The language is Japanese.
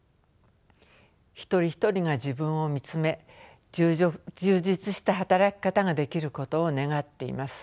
一人一人が自分を見つめ充実した働き方ができることを願っています。